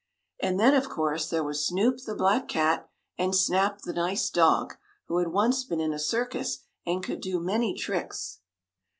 And then, of course, there was Snoop, the black cat, and Snap, the nice dog, who had once been in a circus, and could do many tricks.